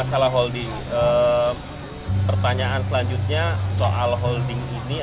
jadi r verbal yangiziert di halm mama ini